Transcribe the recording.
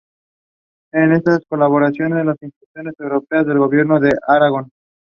Within Sioux County it serves Solen and almost all of Cannon Ball.